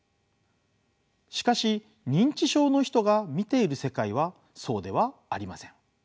しかし認知症の人が見ている世界はそうではありません。